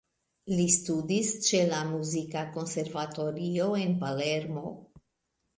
Li studis ĉe la muzika konservatorio en Palermo.